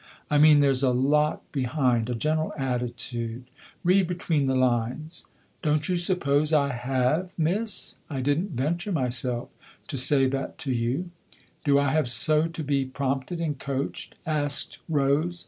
" I mean there's a lot behind a general attitude. Read between the lines !"" Don't you suppose I have, miss ? I didn't venture, myself, to say that to you," " Do I have so to be prompted and coached ?" asked Rose.